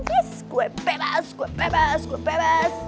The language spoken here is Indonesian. yes gue bebas gue bebas gue bebas